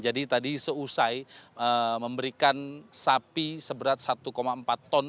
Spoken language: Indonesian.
jadi tadi seusai memberikan sapi seberat satu empat ton